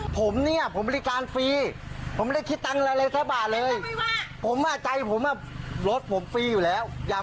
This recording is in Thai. ผมเนี่ยบริการฟรีผมไม่ได้คิดตังค์อะไรสมัยเลย